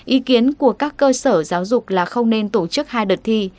ý kiến của các cơ sở giáo dục là không nên tổ chức hai đợt thi